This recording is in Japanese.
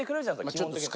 基本的に。